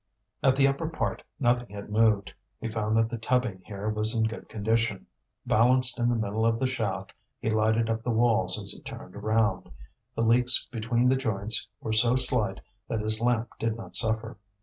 At the upper part nothing had moved. He found that the tubbing here was in good condition. Balanced in the middle of the shaft he lighted up the walls as he turned round; the leaks between the joints were so slight that his lamp did not suffer.